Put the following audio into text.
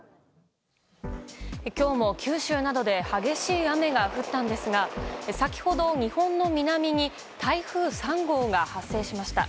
今日も九州などで激しい雨が降ったんですが先ほど、日本の南に台風３号が発生しました。